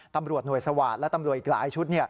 ตำรวจหน่วยสวาสตร์และตำรวจอีกหลายชุด